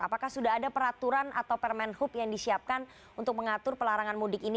apakah sudah ada peraturan atau permen hub yang disiapkan untuk mengatur pelarangan mudik ini